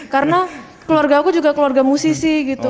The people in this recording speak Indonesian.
karena keluarga aku juga keluarga musisi gitu